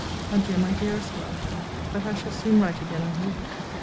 adieu, my dearest love! but I shall soon write again, I hope!